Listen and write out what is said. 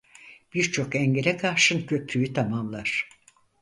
Birçok engele karşın köprüyü tamamlar.